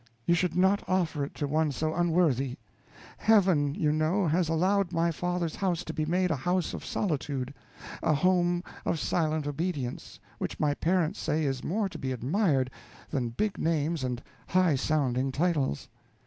_ you should not offer it to one so unworthy. Heaven, you know, has allowed my father's house to be made a house of solitude, a home of silent obedience, which my parents say is more to be admired than big names and high sounding titles.